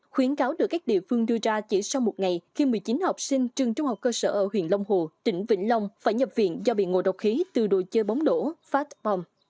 khuyến cáo được các địa phương đưa ra chỉ sau một ngày khi một mươi chín học sinh trường trung học cơ sở ở huyện long hồ tỉnh vĩnh long phải nhập viện do bị ngộ độc khí từ đồ chơi bóng đổ phát bom